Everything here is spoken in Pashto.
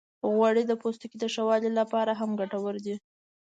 غوړې د پوستکي د ښه والي لپاره هم ګټورې دي.